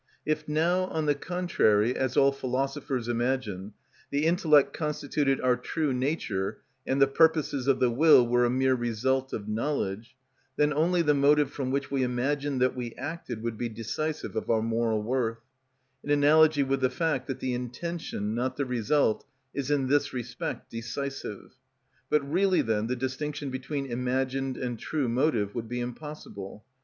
If now, on the contrary, as all philosophers imagine, the intellect constituted our true nature and the purposes of the will were a mere result of knowledge, then only the motive from which we imagined that we acted would be decisive of our moral worth; in analogy with the fact that the intention, not the result, is in this respect decisive. But really then the distinction between imagined and true motive would be impossible.